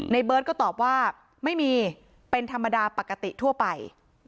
เบิร์ตก็ตอบว่าไม่มีเป็นธรรมดาปกติทั่วไป